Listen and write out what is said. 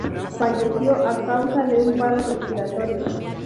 Falleció a causa de un paro respiratorio.